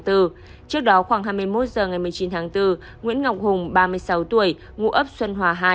trước đó khoảng hai mươi một h ngày một mươi chín tháng bốn nguyễn ngọc hùng ba mươi sáu tuổi ngụ ấp xuân hòa hai